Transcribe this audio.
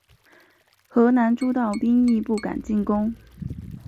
河南诸道兵亦不敢进攻。